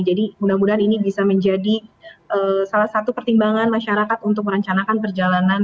jadi mudah mudahan ini bisa menjadi salah satu pertimbangan masyarakat untuk merencanakan perjalanan